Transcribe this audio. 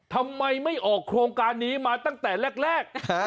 ทำไมไม่ออกโครงการนี้มาตั้งแต่แรก